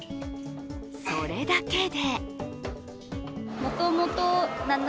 それだけで。